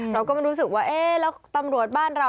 เราก็ไม่รู้สึกว่าเอ๊ะแล้วตำรวจบ้านเรา